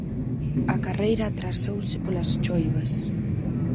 A carreira atrasouse polas choivas.